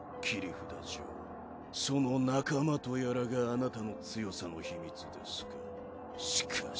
切札ジョーその仲間とやらがあなたの強さの秘密ですか。